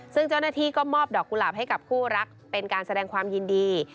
ซึ่งเจ้าหน้าที่ก็มอบดอกกุหลาบให้กับคู่รักเป็นการแสดงความยินดี